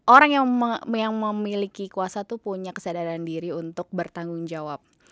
orang yang memiliki kuasa tuh punya kesadaran diri untuk bertanggung jawab